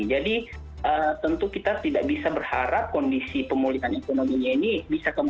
jadi tentu kita tidak bisa berharap kondisi pemulihan ekonominya ini bisa kembang